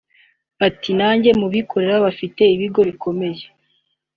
Ati “nujya mu bikorera bafite ibigo bikomeye